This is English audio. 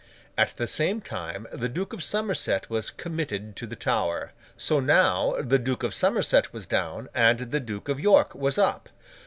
At the same time the Duke of Somerset was committed to the Tower. So, now the Duke of Somerset was down, and the Duke of York was up.